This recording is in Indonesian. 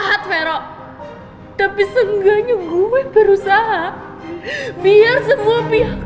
baik bapak kita permisi ya pak